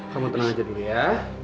kamu tenang aja dulu ya